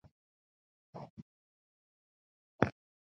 خوړو ته لاسرسی د هر چا حق دی.